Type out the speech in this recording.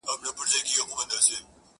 • مینه که وي جرم قاسم یار یې پرستش کوي..